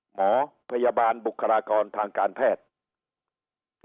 หมอพยาบาลบุคลากรทางการแพทย์